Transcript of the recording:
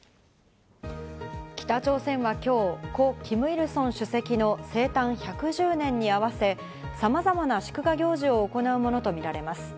北朝鮮は今日、故キム・イルソン主席の生誕１１０年に合わせ、さまざまな祝賀行事を行うものとみられます。